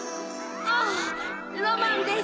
あぁロマンです！